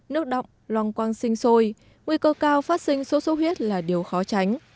nước động loang quang sinh sôi nguy cơ cao phát sinh sốt sốt huyết là điều khó tránh